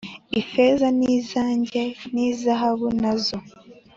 Ifeza ni izanjye n izahabu na zo